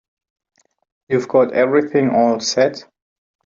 You've got everything all set?